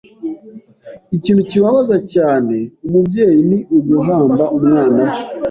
Ikintu kibabaza cyane umubyeyi ni uguhamba umwana we.